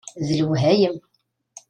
D lewhayem!